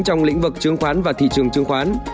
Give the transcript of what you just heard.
trong lĩnh vực trương khoán và thị trường trương khoán